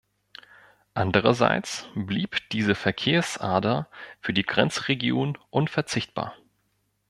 Andererseits blieb diese Verkehrsader für die Grenzregion unverzichtbar.